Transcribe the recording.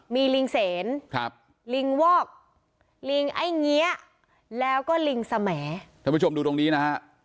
มีลิงเสนครับลิงวอกลิงไอ้เงี้ยแล้วก็ลิงสมัยท่านผู้ชมดูตรงนี้นะฮะ